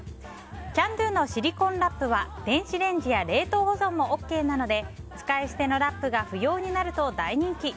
キャンドゥのシリコンラップは電子レンジや冷凍保存もＯＫなので使い捨てのラップが不要になると大人気。